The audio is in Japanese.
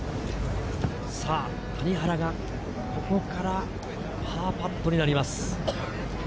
谷原がここからパーパットになります。